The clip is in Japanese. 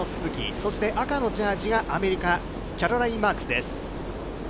そして赤のジャージがアメリカ、キャロライン・マークスです。